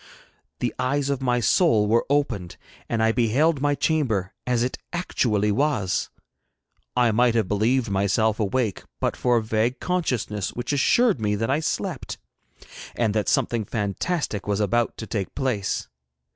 The eyes of my soul were opened, and I beheld my chamber as it actually was. I might have believed myself awake but for a vague consciousness which assured me that I slept, and that something fantastic was about to take place.